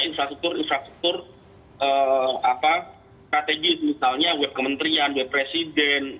infrastruktur strategi misalnya web kementerian web presiden